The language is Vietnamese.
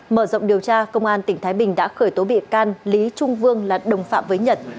mở rộng điều tra công an tỉnh thái bình đã khởi tố bị can lý trung vương là đồng phạm với nhật